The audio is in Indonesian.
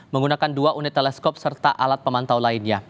menggunakan dua unit teleskop serta alat pemantau lainnya